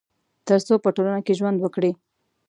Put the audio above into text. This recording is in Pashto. تر څو په ټولنه کي ژوند وکړي